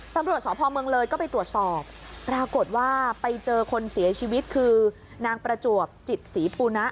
ตำรวจสพเมืองเลยก็ไปตรวจสอบปรากฏว่าไปเจอคนเสียชีวิตคือนางประจวบจิตศรีปูนะ